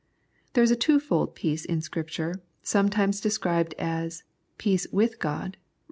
There is a twofold peace in Scripture, sometimes de scribed as " peace with God " (Rom.